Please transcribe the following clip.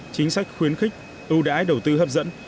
chính sách khuyến khích ưu đãi đầu tư hấp dẫn